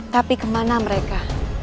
tapi kemana mereka